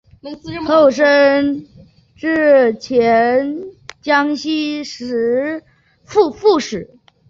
后升任江西副使。